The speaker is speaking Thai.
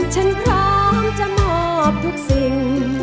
ฉันพร้อมจะมอบทุกสิ่ง